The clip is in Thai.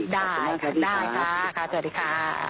ได้ได้ค่ะสวัสดีค่ะ